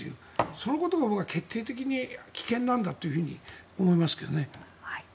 そのことが決定的に危険なんだと思いますけどね。